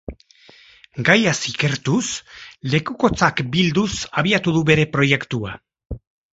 Gaiaz ikertuz, lekukotzak bilduz abiatu du bere proiektua.